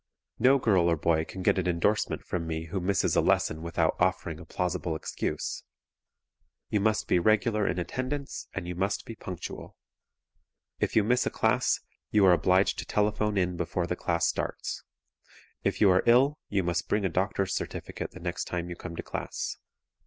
No girl or boy can get an endorsement from me who misses a lesson without offering a plausible excuse. You must be regular in attendance and you must be punctual. If you miss a class you are obliged to telephone in before the class starts. If you are ill you must bring a doctor's certificate the next time you come to class.